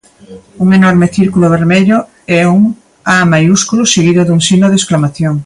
Un enorme círculo vermello e un A maiúsculo, seguido dun signo de exclamación.